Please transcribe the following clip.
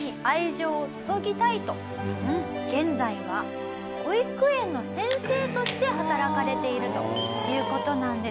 現在は保育園の先生として働かれているという事なんです。